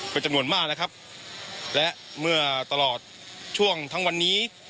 เป็นจำนวนมากนะครับและเมื่อตลอดช่วงทั้งวันนี้